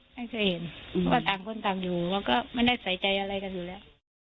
ไม่เคยเห็นเพราะว่าต่างคนต่างอยู่เราก็ไม่ได้ใส่ใจอะไรกันอยู่แล้ว